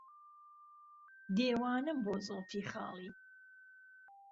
دێوانهم بۆ زوڵفی خاڵی